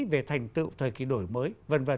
về thành tựu thời kỳ đổi mới